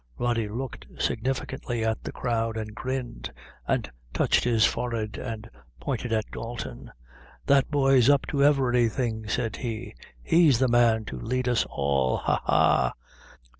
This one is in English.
Rody looked significantly at the crowd, and grinned, and touched his forehead, and pointed at Dalton. "That boy's up to everything," said he; "he's the man to head us all ha, ha!"